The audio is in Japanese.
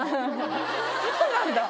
そうなんだ